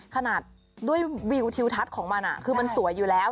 ขนาดด้วยวิวทิวทัศน์ของมันคือมันสวยอยู่แล้ว